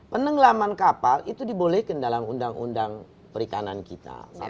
penenglaman kapal itu dibolehkan dalam undang undang perikanan kita